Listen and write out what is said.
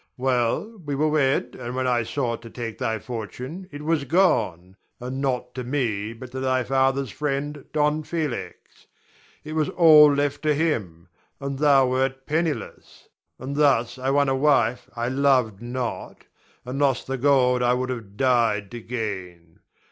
Well, we were wed, and when I sought to take thy fortune it was gone, and not to me, but to thy father's friend, Don Felix. It was all left to him, and thou wert penniless; and thus I won a wife I loved not, and lost the gold I would have died to gain.